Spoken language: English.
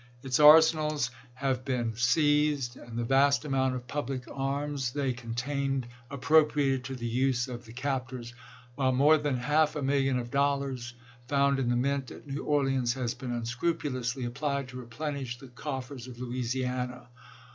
Its arsenals have been Ibid., Feb. 11, 1861, p. 855. 148 ABEAHAM LINCOLN chap. x. seized, and the vast amount of public arms they con tained appropriated to the use of the captors, while more than half a million of dollars found in the mint at New Orleans has been unscrupulously applied to replenish the coffers of Louisiana.